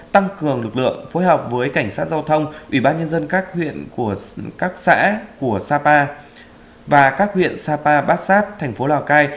tăng cường lực lượng phối hợp với cảnh sát giao thông ủy ban nhân dân các huyện của các xã của sapa và các huyện sapa bát sát thành phố lào cai